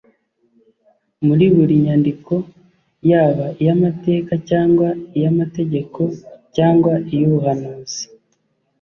Muri buri nyandiko, yaba iy’amateka, cyangwa iy’amategeko, cyangwa iy’ubuhanuzi,